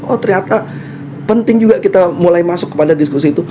oh ternyata penting juga kita mulai masuk kepada diskusi itu